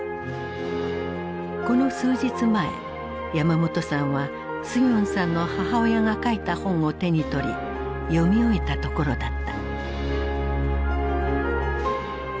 この数日前山本さんはスヒョンさんの母親が書いた本を手に取り読み終えたところだった。